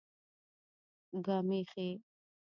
ګامېښې